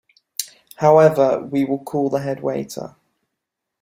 However, we will call the head waiter.